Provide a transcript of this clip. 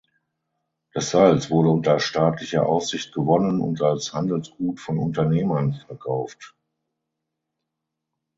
Das Salz wurde unter staatlicher Aufsicht gewonnen und als Handelsgut von Unternehmern verkauft.